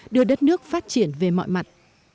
đưa đất nước phát triển về mọi mặt